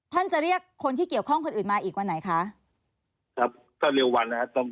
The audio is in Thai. จะเรียกคนที่เกี่ยวข้องคนอื่นมาอีกวันไหนคะครับก็เร็ววันนะครับ